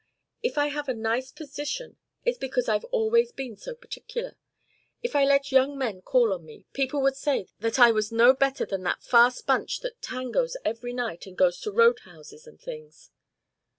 If I have a nice position it's because I've always been so particular. If I let young men call on me, people would say that I was no better than that fast bunch that tangoes every night and goes to road houses and things."